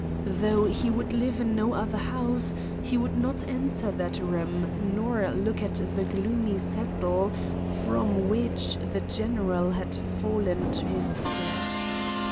Though he would live in no other house, he would not enter that room nor look at the gloomy settle from which the general had fallen to his death.